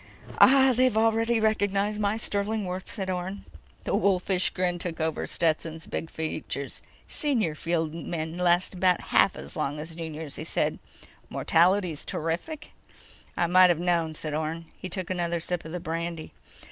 "Ah, they've already recognized my sterling worth," said Orne. The wolfish grin took over Stetson's big features. "Senior field men last about half as long as the juniors," he said. "Mortality's terrific?" "I might've known," said Orne. He took another sip of the brandy.